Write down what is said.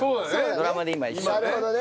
ドラマで今一緒で。